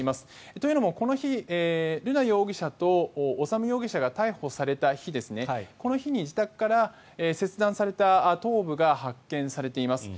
というのも、この日瑠奈容疑者と修容疑者が逮捕された日、この日に自宅から切断された頭部が発見されています。